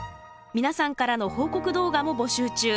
皆さんからの報告動画も募集中。